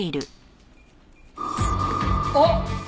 あっ！